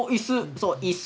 そう椅子。